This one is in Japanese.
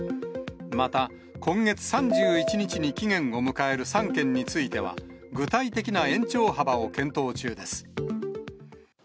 また、今月３１日に期限を迎える３県については、具体的な延長幅を検討中です。